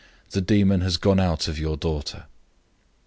The demon has gone out of your daughter."